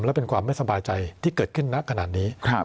และเป็นความไม่สบายใจที่เกิดขึ้นณขณะนี้